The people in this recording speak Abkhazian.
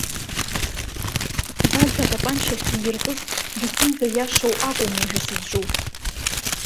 Баӡ атапанча ахьииркыз, дахьынӡаиашоу акәым уажәы сызҿу.